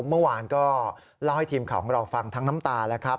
เมื่อวานก็เล่าให้ทีมข่าวของเราฟังทั้งน้ำตาแล้วครับ